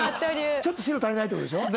ちょっと白足りないとかでしょ？